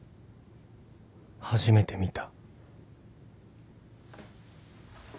初めて見た